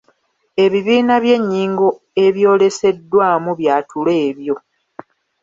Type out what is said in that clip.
Ebibiina by’ennyingo ebyoleseddwa mu byatulo ebyo.